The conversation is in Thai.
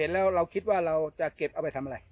แล้วเราคิดว่าเราจะเก็บเอาไปทำอะไร